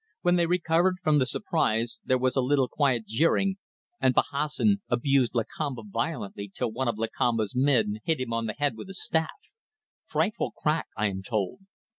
When they recovered from the surprise there was a little quiet jeering; and Bahassoen abused Lakamba violently till one of Lakamba's men hit him on the head with a staff. Frightful crack, I am told.